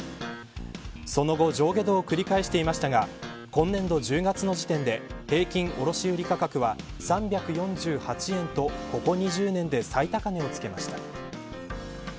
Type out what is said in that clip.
その後、上下動を繰り返していましたが今年度１０月の時点で平均卸売り価格は３４８円とここ２０年で最高値をつけました。